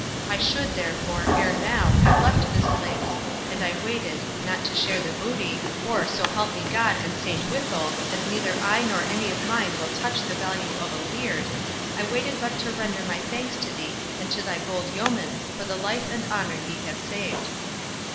I should, therefore, ere now, have left this place; and I waited—not to share the booty, for, so help me God and Saint Withold! as neither I nor any of mine will touch the value of a liard,—I waited but to render my thanks to thee and to thy bold yeomen, for the life and honour ye have saved."